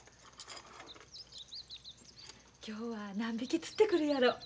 今日は何匹釣ってくるやろ。